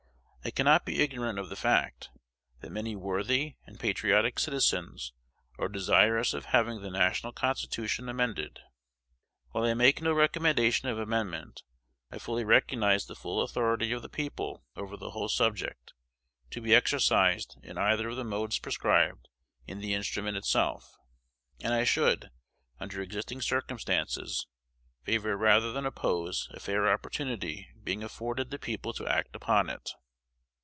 I cannot be ignorant of the fact, that many worthy and patriotic citizens are desirous of having the national Constitution amended. While I make no recommendation of amendment, I fully recognize the full authority of the people over the whole subject, to be exercised in either of the modes prescribed in the instrument itself; and I should, under existing circumstances, favor rather than oppose a fair opportunity being afforded the people to act upon it.